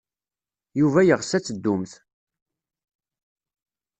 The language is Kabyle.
Yuba yeɣs ad teddumt.